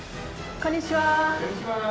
こんにちは。